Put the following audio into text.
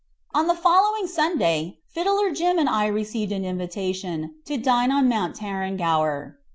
On the following Sunday Fiddler Jim and I received an invitation to dine on Mount Tarrangower.